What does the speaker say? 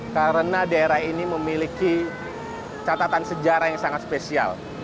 karena daerah ini memiliki catatan sejarah yang sangat spesial